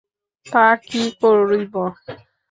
তা কী করিব!